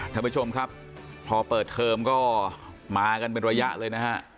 ท่านผู้ชมครับพอเปิดเทอมก็มากันเป็นระยะเลยนะฮะ